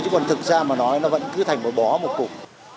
chứ còn thực ra mà nói nó vẫn cứ thành một bó một cục